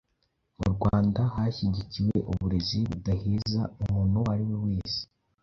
Mu Rwanda hashyigikiwe uburezi budaheza umuntu uwo ari we wese